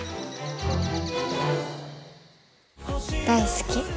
大好き。